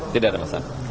tidak ada masalah